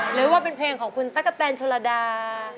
หรือว่าเป็นเพลงของคุณตั๊กกะแตนโชลดา